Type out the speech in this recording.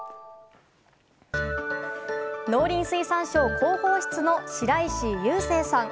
農林水産省広報室の白石優生さん。